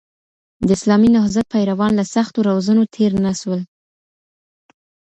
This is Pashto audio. د اسلامي نهضت پیروان له سختو روزنو تېر نه سول.